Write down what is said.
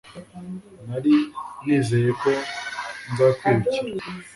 Nari nizeye ko nzakwirukira.